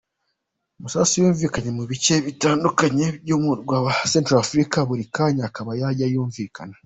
Amasasu yumvikanye mu bice bitandukanye by’umurwa wa Centrafrique, buri kanya akaba yajyaga yumvikana.